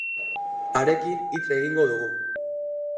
Harekin hitz egingo dugu.